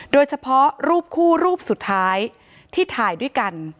โดยเฉพาะรูปคู่รูปสุดท้ายที่ถ่ายด้วยกัน